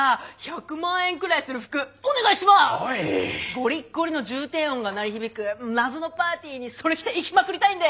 ゴリッゴリの重低音が鳴り響く謎のパーティーにそれ着て行きまくりたいんで！